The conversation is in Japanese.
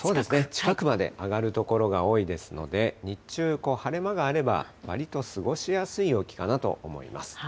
近くまで上がる所が多いですので、日中、晴れ間があれば、わりと過ごしやすい陽気かなと思います。